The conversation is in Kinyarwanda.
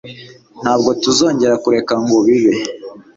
Ntabwo tuzongera kureka ngo bibe.